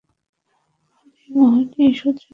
হরিমোহিনী সুচরিতাকে অনেকক্ষণ ভাবিবার সময় দিলেন।